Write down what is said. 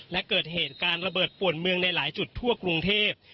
และเกิดเหตุการณ์ระเบิดป่วนเมืองในหลายจุดทั่วกรุงเทพ